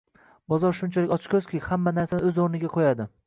Bozor shunchalik ochko'zki, hamma narsani o'z o'rniga qo'yadi